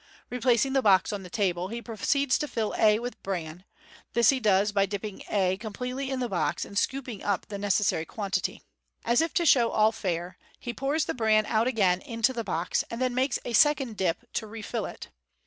Replacing the box on the table, he proceeds to fill A with bran. This he does by dipping A com pletely in the box, and scooping up the necessary quantity. As if to show all fair, he pours the bran out again into the box, and then makes a second dip to refill it.